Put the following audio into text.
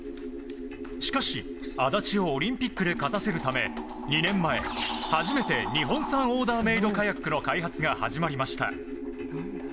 しかし、足立をオリンピックで勝たせるため２年前、初めて日本産オーダーメードカヤックの開発が始まりました。